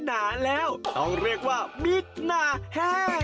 น้อยหน่าแล้วต้องเรียกว่ามิดหน่าแฮ่